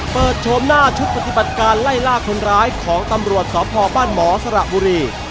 โฉมหน้าชุดปฏิบัติการไล่ล่าคนร้ายของตำรวจสพบ้านหมอสระบุรี